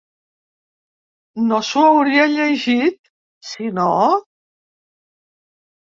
No s'ho hauria llegit, sinó?